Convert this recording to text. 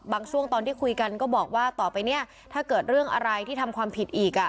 ช่วงตอนที่คุยกันก็บอกว่าต่อไปเนี่ยถ้าเกิดเรื่องอะไรที่ทำความผิดอีก